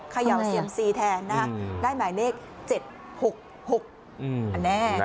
เขย่าเซียมซีแทนนะฮะได้หมายเลข๗๖๖อันแน่